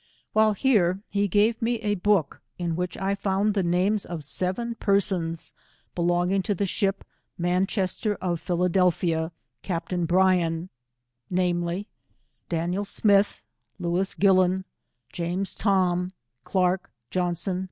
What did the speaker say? While here he gave me a book in which I faund the names of seven persons belonging to the ship Manchester, of Philadelphia, Captain Brian, viz.r— Daniel Smith, Lewis Gillon, James Tom, Clark, Johnson.